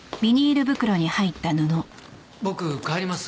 僕帰ります。